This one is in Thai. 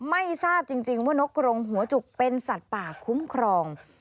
ไม่ทราบจริงว่านกกรงหัวจุกเป็นสัตว์ป่าคุ้มครอง